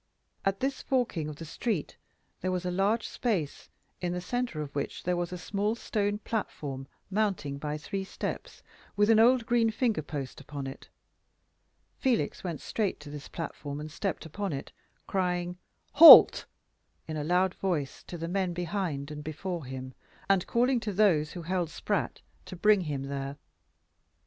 At this forking of the street there was a large space, in the centre of which there was a small stone platform, mounting by three steps, with an old green finger post upon it. Felix went straight to this platform and stepped upon it, crying "Halt!" in a loud voice to the men behind and before him, and calling to those who held Spratt to bring him there.